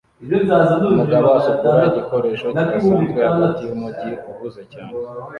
Umugabo asukura igikoresho kidasanzwe hagati yumujyi uhuze cyane